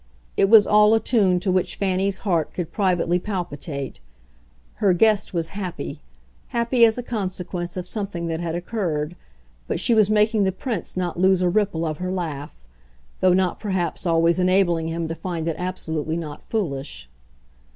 It was all a tune to which Fanny's heart could privately palpitate: her guest was happy, happy as a consequence of something that had occurred, but she was making the Prince not lose a ripple of her laugh, though not perhaps always enabling him to find it absolutely not foolish.